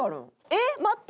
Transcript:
えっ待って！